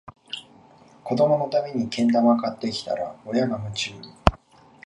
子どものためにけん玉買ってきたら、親が夢中